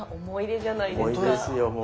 思い出じゃないですか。